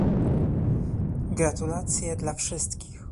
Gratulacje dla wszystkich